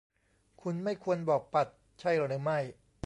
คุณไม่ควรบอกปัดใช่หรือไม่